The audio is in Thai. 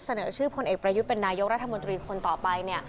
เสนอชื่อพลเอกประยุทธ์เป็นนายกรัฐมนตรีคนต่อไป